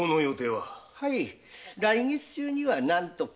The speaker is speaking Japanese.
はい来月中には何とか。